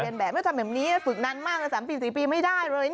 เปลี่ยนแบบนี้ทำแบบนี้ฝึกนั้นมากกว่า๓๔ปีไม่ได้เลย